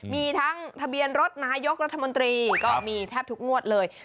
มีทั้งทะเบียนรถนายกรัฐมนตรีก็มีแทบทุกงวดเลย